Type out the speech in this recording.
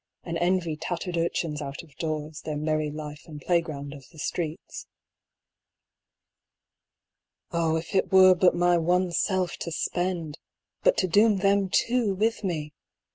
and envy tattered urchins out of doors their merry life and playground of the streets. Oh, if it were but my one self to spend ! but to doom them too with me